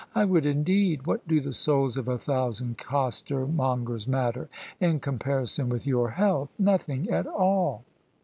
I would indeed. What do the souls of a thousand costermongers matter in comparison with your health? Nothing at all!